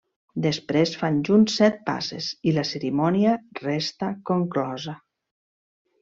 Després fan junts set passes i la cerimònia resta conclosa.